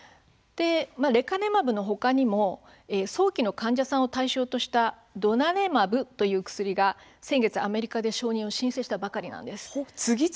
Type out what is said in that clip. レカネマブの他にも早期の患者さんを対象としたドナネマブという薬が先月アメリカで承認を申請したばかりなんです。